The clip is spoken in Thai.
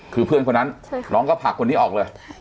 คือเพื่อนคนนั้นน้องก็ผลักคนนี้ออกเลย